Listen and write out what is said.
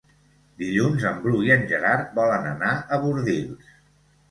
Dilluns en Bru i en Gerard volen anar a Bordils.